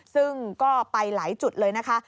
ซึ่งก็ไปหลายจุดเลยนะคะ